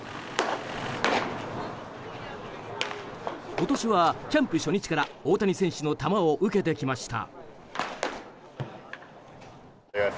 今年はキャンプ初日から大谷選手の球を受けてきました。